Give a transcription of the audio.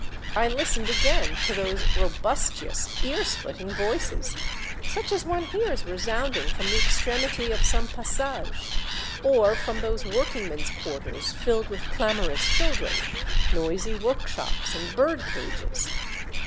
I listened again to those robustious, ear splitting voices, such as one 1 68 Monday Tales, hears resounding from the extremity of some pas sage, or from those working men's quarters, filled with clamorous children, noisy workshops, and bird cages.